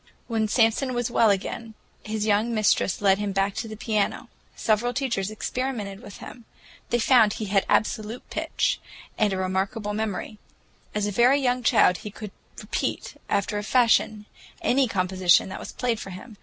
When Samson was well again, his young mistress led him back to the piano. Several teachers experimented with him. They found he had absolute pitch, and a remarkable memory. As a very young child he could repeat, after a fashion, any composition that was played for him.